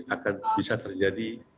akan bisa terjadi